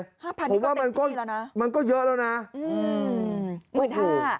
๕๐๐๐นี่ก็เต็มที่แล้วนะมันก็เยอะแล้วนะอืม